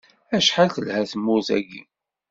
Acḥal telha tmurt-agi!